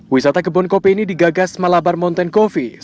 wisata kebun kopi ini digagas malabar mountain coffee